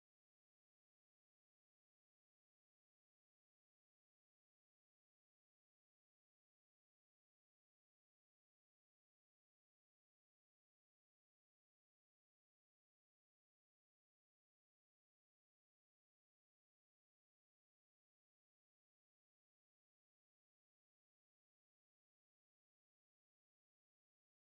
sh terminan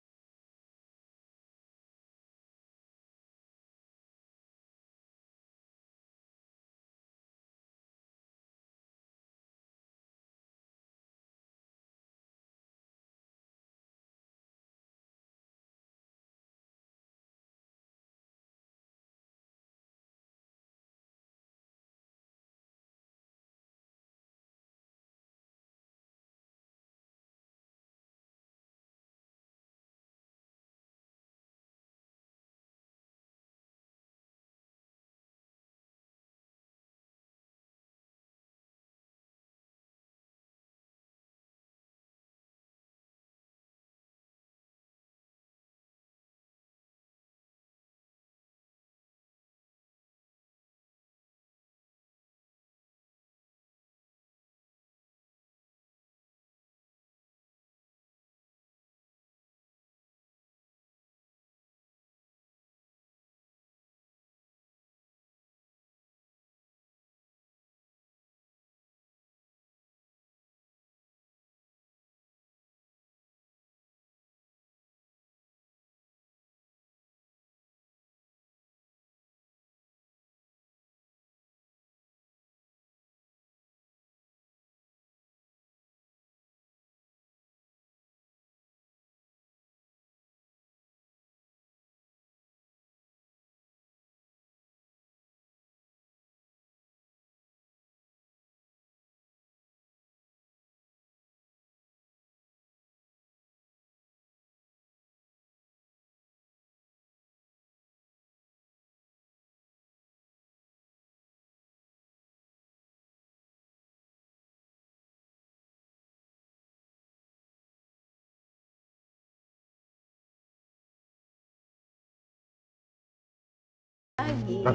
ya